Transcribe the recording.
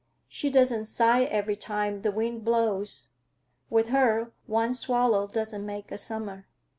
"She doesn't sigh every time the wind blows. With her one swallow doesn't make a summer."